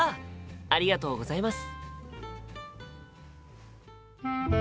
ありがとうございます。